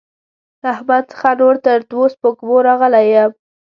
له احمد څخه نور تر دوو سپږمو راغلی يم.